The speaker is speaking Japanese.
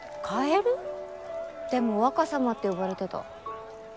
でも「若様」って呼ばれてた。